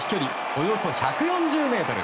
およそ１４０ｍ。